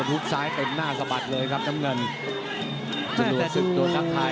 ฮุบซ้ายเต็มหน้าสะบัดเลยครับน้ำเงิน